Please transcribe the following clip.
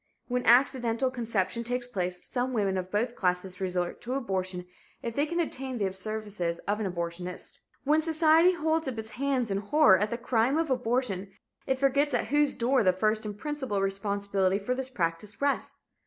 When accidental conception takes place, some women of both classes resort to abortion if they can obtain the services of an abortionist. When society holds up its hands in horror at the "crime" of abortion, it forgets at whose door the first and principal responsibility for this practice rests.